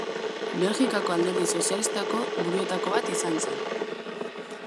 Belgikako Alderdi Sozialistako buruetako bat izan zen.